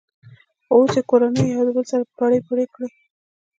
خو اوس یې کورنیو یو د بل سره پړی پرې کړی.